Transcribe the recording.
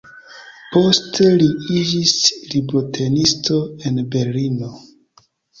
Poste li iĝis librotenisto en Berlino.